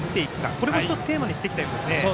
これもテーマにしてきたようです。